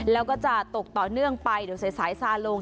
แล้วก็จะตกต่อเนื่องไปเดี๋ยวสายซาลง